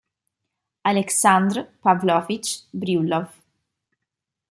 Aleksandr Pavlovič Brjullov